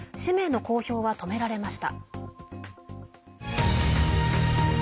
ＢＢＣは氏名の公表を止められました。